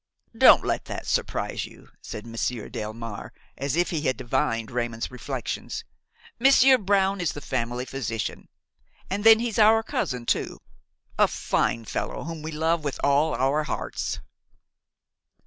"Don't let that surprise you," said Monsieur Delmare, as if he had divined Raymon's reflections; "Monsieur Brown is the family physician; and then he's our cousin too, a fine fellow whom we love with all our hearts."